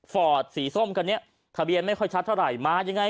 ฟอร์ดสีส้มกันเนี่ยทะเบียนไม่ค่อยชัดเท่าไหร่